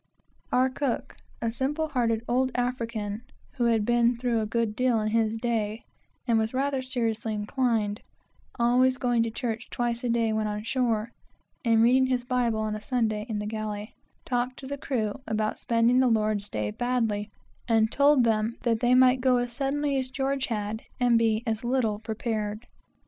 Our cook, a simple hearted old African, who had been through a good deal in his day, and was rather seriously inclined, always going to church twice a day when on shore, and reading his Bible on a Sunday in the galley, talked to the crew about spending their Sabbaths badly, and told them that they might go as suddenly as George had, and be as little prepared.